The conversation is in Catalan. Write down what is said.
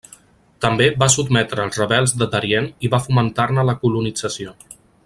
També va sotmetre els rebels de Darién i va fomentar-ne la colonització.